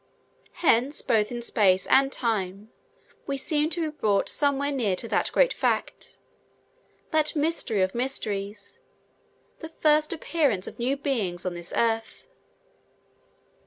Hence, both in space and time, we seem to be brought somewhat near to that great fact that mystery of mysteries the first appearance of new beings on this earth.